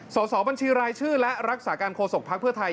สอบบัญชีรายชื่อและรักษาการโฆษกภักดิ์เพื่อไทย